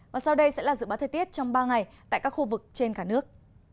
và sau đây sẽ là dự báo thời tiết trong ba ngày tại các khu vực trên cả nước